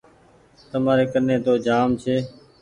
تمآري ڪني تو جآم ڇي۔